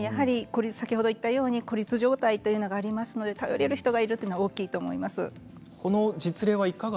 先ほど言ったように孤立状態というのがありますので頼れる人がいるというのは大きいと思います。